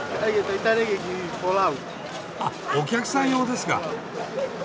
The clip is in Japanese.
あっお客さん用ですか。